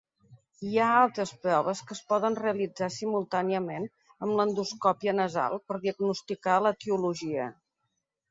Hi ha altres proves que es poden realitzar simultàniament amb l'endoscòpia nasal per diagnosticar l'etiologia.